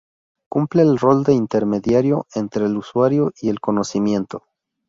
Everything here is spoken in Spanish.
Cumple el rol de intermediario entre el usuario y el conocimiento.